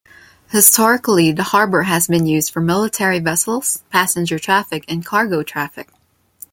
Historically, the harbour has been used for military vessels, passenger traffic and cargo traffic.